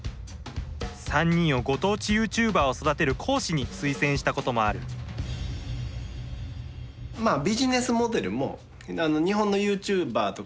３人をご当地ユーチューバーを育てる講師に推薦したこともあるほこりが出ないように。